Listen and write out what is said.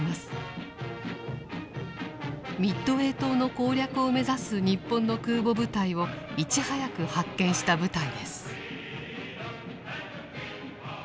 ミッドウェー島の攻略を目指す日本の空母部隊をいち早く発見した部隊です。